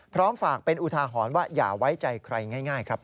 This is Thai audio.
พร้อมฝากเป็นอุทาหรณ์ว่าอย่าไว้ใจใครง่ายครับ